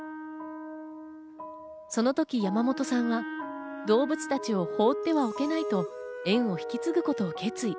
その時、山本さんは動物たちを放っておけないと園を引き継ぐことを決意。